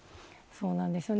そうなんですよね。